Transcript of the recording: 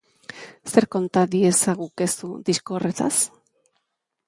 Zer konta diezagukezu disko horretaz?